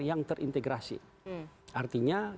yang terintegrasi artinya